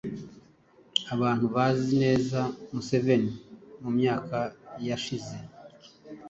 Abantu bazi neza Museveni mu myaka ya shize